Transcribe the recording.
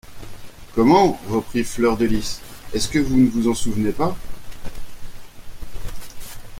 Comment ! reprit Fleur-de-Lys ; est-ce que vous ne vous souvenez pas ?…